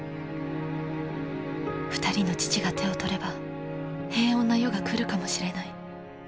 ２人の父が手を取れば平穏な世が来るかもしれない。